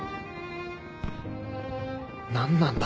何なんだ？